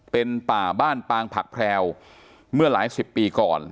เป็นป่าบ้านปางผักแพรวเมื่อหลายสิบปีก่อน